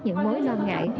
những mối lo ngại